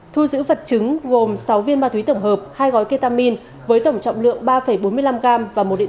thu giữ vật chứng gồm sáu viên ma túy tổng hợp hai gói ketamin với tổng trọng lượng ba bốn mươi năm gram và một điện